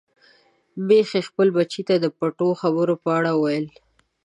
ميښې خپل بچي ته د پټو خبرو په اړه ویل.